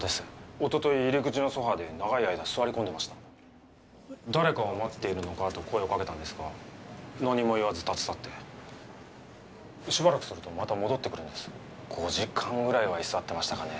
おととい入り口のソファーで長い間座り込んでました誰かを待っているのか？と声をかけたんですが何も言わず立ち去ってしばらくするとまた戻ってくるんです５時間ぐらいは居座ってましたかね